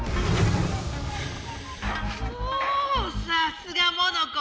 おおさすがモノコ。